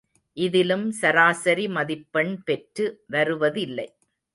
இதிலும் சராசரி மதிப்பெண் பெற்று வருவதில்லை.